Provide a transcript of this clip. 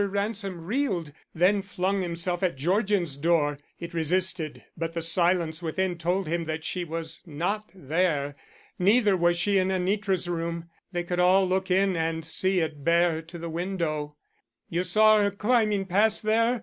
Ransom reeled, then flung himself at Georgian's door. It resisted but the silence within told him that she was not there. Neither was she in Anitra's room. They could all look in and see it bare to the window. "You saw her climbing past there?"